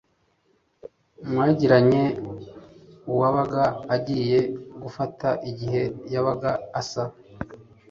mwagiranye. uwabaga agiye gufata igihe yabaga asa